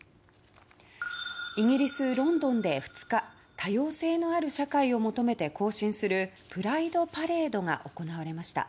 イギリス・ロンドンで２日多様性のある社会を求めて行進するプライド・パレードが行われました。